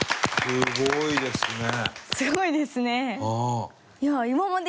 すごいですね。